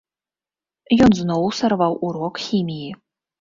Ён зноў сарваў урок хіміі.